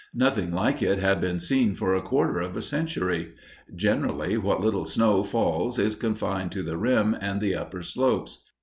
Nothing like it had been seen for a quarter of a century. Generally, what little snow falls is confined to the rim and the upper slopes.